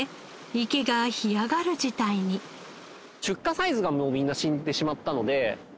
出荷サイズがもうみんな死んでしまったので。